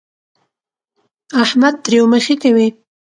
احمد تريو مخی کوي.